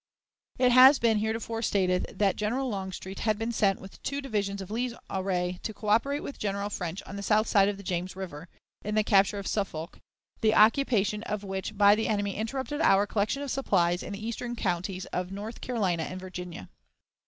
It has been heretofore stated that General Longstreet had been sent with two divisions of Lee's array to coöperate with General French on the south side of the James River, in the capture of Suffolk, the occupation of which by the enemy interrupted our collection of supplies in the eastern counties of North Carolina and Virginia.